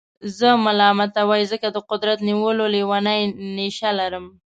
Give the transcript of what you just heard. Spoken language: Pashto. زه ملامتوئ ځکه د قدرت نیولو لېونۍ نېشه لرم.